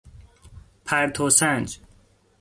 پرتو سنج